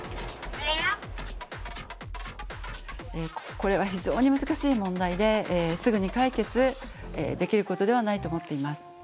これは非常に難しい問題ですぐに解決できることではないと思っています。